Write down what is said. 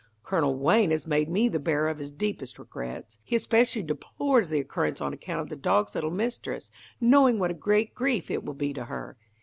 Colonel Wayne has made me the bearer of his deepest regrets. He especially deplores the occurrence on account of the dog's little mistress, knowing what a great grief it will be to her.